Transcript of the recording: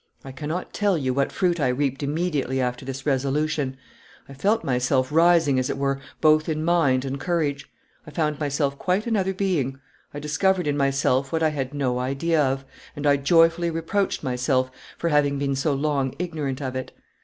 I cannot tell you what fruit I reaped immediately after this resolution. I felt myself rising as it were both in mind and courage; I found myself quite another being; I discovered in myself what I had no idea of, and I joyfully reproached myself for having been so long ignorant of it.